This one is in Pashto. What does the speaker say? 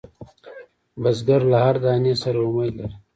بزګر له هر دانې سره امید لري